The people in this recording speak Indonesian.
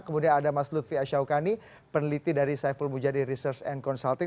kemudian ada mas lutfi asyaukani peneliti dari saiful mujadi research and consulting